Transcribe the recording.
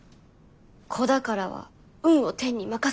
「子宝は運を天に任せて。